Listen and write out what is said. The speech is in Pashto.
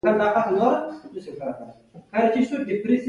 دا خدمتګر د پیرود هرکلی کوي.